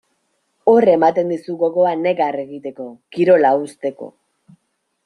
Hor ematen dizu gogoa negar egiteko, kirola uzteko.